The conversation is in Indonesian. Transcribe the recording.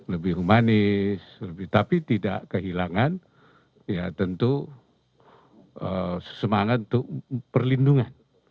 lebih humanis tapi tidak kehilangan ya tentu semangat untuk perlindungan